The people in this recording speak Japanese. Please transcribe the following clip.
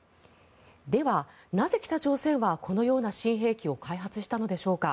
では、なぜ北朝鮮はこのような新兵器を開発したのでしょうか。